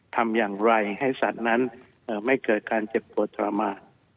ทำอย่างไรให้สัตว์นั้นไม่เกิดการเจ็บปวดทรมาน